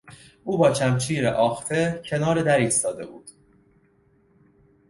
او با شمشیر آخته کنار در ایستاده بود.